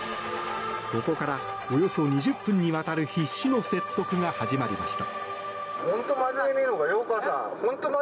ここからおよそ２０分にわたる必死の説得が始まりました。